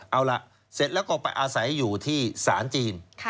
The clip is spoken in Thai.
เอาล่ะเสร็จแล้วก็ไปอาศัยอยู่ที่ศาลจีน